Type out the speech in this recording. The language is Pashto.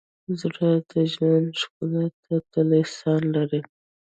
زړه د ژوند ښکلا ته تل احساس لري.